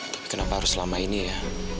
tapi kenapa harus selama ini ya